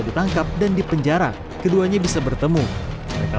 ditangkap dan dipenjara keduanya bisa bertemu mereka